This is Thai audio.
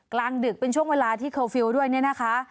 กลางดึกเป็นช่วงเวลาที่เคอร์ฟิลล์ด้วยเนี่ยนะคะ